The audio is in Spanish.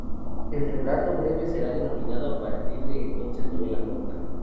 El relato breve será denominado a partir de entonces novela corta.